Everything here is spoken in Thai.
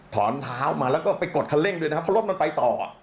เท้ามาแล้วก็ไปกดคันเร่งด้วยนะครับเพราะรถมันไปต่อ